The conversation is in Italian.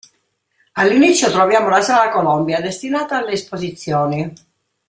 All'inizio troviamo la sala "Colombia", destinata alle esposizioni.